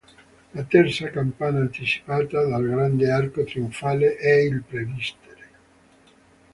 La terza campata anticipata dal grande arco trionfale è il presbiterio.